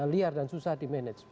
liar dan susah dimanage